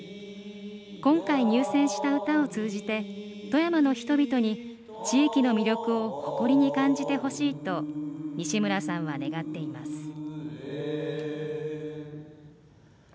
今回入選した歌を通じて富山の人々に地域の魅力を誇りに感じてほしいと西村さんは願っています。